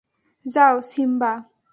যাও, সিম্বা!